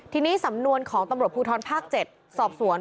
ทีนี้สำนวนของตำรวจภูทรภาค๗สอบสวน